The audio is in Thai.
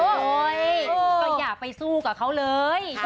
เฮ้ยก็อย่าไปสู้กับเขาเลย